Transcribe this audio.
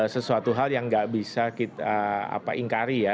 sesuatu hal yang nggak bisa kita ingkari ya